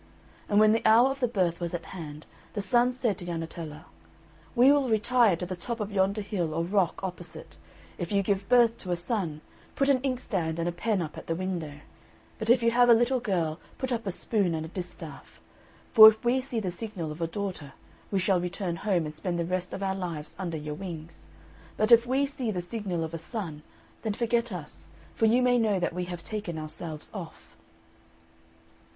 And when the hour of the birth was at hand, the sons said to Jannetella, "We will retire to the top of yonder hill or rock opposite; if you give birth to a son, put an inkstand and a pen up at the window; but if you have a little girl, put up a spoon and a distaff. For if we see the signal of a daughter, we shall return home and spend the rest of our lives under your wings; but if we see the signal of a son, then forget us, for you may know that we have taken ourselves off."